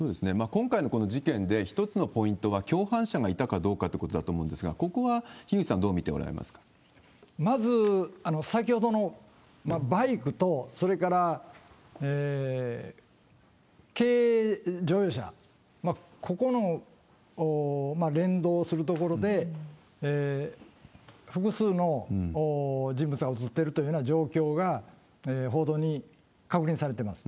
今回のこの事件で、一つのポイントは、共犯者がいたかどうかということだと思うんですが、ここは樋口さまず、先ほどのバイクと、それから軽乗用車、ここの連動するところで、複数の人物が映ってるというような状況が、報道に確認されてます。